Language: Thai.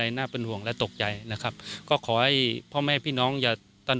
ได้จัดเตรียมความช่วยเหลือประบบพิเศษสี่ชน